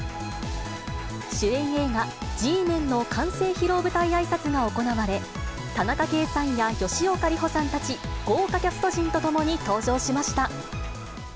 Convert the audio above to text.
主演映画、Ｇメンの完成披露舞台あいさつが行われ、田中圭さんや吉岡里帆さんたち、豪華キャスト陣とともに登場しました。